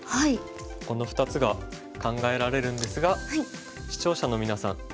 この２つが考えられるんですが視聴者の皆さん